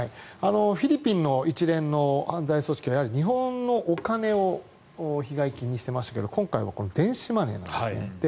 フィリピンの一連の犯罪組織は、日本のお金を被害金にしていましたが今回は電子マネーなんですね。